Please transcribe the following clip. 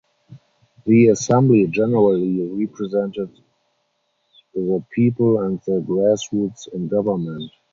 The assembly generally represented the people and the grassroots in government.